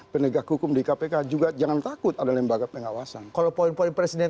penegak hukum di kpk juga jangan takut ada lembaga pengawasan kalau poin poin presiden